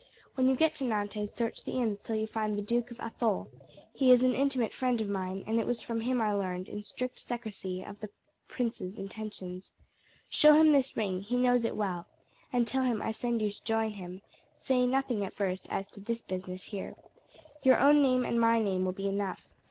When you get to Nantes search the inns till you find the Duke of Athole, he is an intimate friend of mine, and it was from him I learned in strict secrecy of the prince's intentions. Show him this ring, he knows it well, and tell him I sent you to join him; say nothing at first as to this business here. Your own name and my name will be enough.